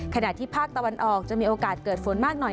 ขณะที่ภาคตะวันออกจะมีโอกาสเกิดฝนมากหน่อย